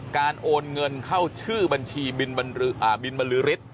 โอนเงินเข้าชื่อบัญชีบินบรือฤทธิ์